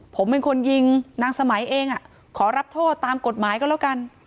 ผมเป็นคนยิงนางสมัยเองขอรับโทษตามกฎหมายก็แล้วกัน